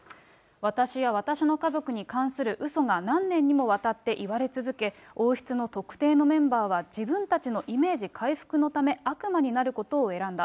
私や私の家族に関するうそが何年にもわたって言われ続け、王室の特定のメンバーは自分たちのイメージ回復のため、悪魔になることを選んだ。